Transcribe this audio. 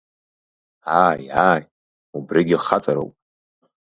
Ааи, ааи, убригьы хаҵароуп!